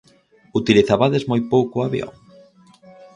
Utilizabades moi pouco o avión...?